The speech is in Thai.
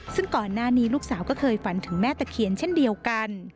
ซึ่งก่อนหน้านี้ลูกสาวก็เคยฝันถึงแม่ตะเคียนเช่นเดียวกัน